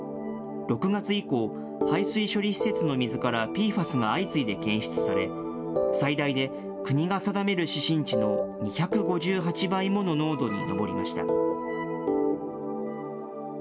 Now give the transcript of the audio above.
６月以降、排水処理施設の水からＰＦＡＳが相次いで検出され、最大で国が定める指針値の２５８倍もの濃度に上りました。